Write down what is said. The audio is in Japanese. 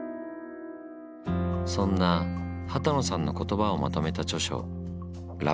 そんな幡野さんの言葉をまとめた著書「ラブレター」。